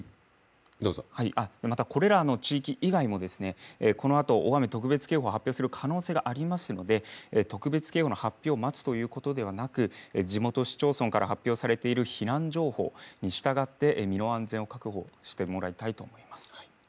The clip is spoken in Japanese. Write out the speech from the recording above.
また、これらの地域以外もこのあと大雨特別警報発表する可能性がありますので特別警報の発表を待つということではなく地元市町村から発表されている避難情報に従って身の安全を確保してもらいたいと思います。